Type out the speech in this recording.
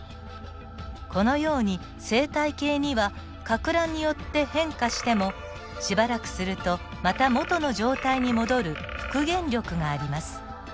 このように生態系にはかく乱によって変化してもしばらくするとまた元の状態に戻る復元力があります。